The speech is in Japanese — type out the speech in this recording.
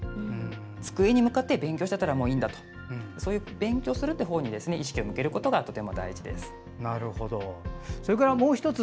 机に向かって勉強していたらいいんだとそういう勉強するというほうに意識を向けるのがそれからもう１つ。